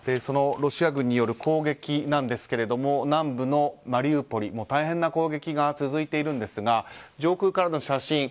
ロシア軍による攻撃なんですが南部のマリウポリ、大変な攻撃が続いているんですが上空からの写真。